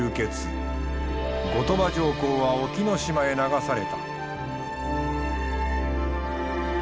後鳥羽上皇は隠岐の島へ流された。